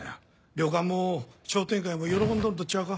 旅館も商店街も喜んどるんと違うか？